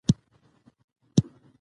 ملالۍ په خوګیاڼیو کارېز کې وه.